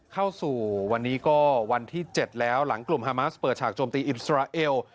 เข้าสู่วันนี้ก็วันที่๗แล้วหลังกลุ่มฮามาสเปิดฉากโจมตีอิสราเอล